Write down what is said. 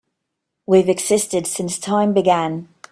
We've existed since time began.